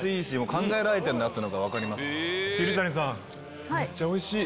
考えられてんなっていうのが分かります。